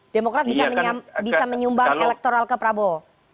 demokrat bisa menyumbang elektoral ke prabowo